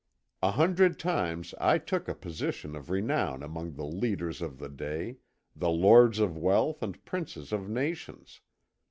A hundred times I took a position of renown among the leaders of the day, the lords of wealth and princes of nations.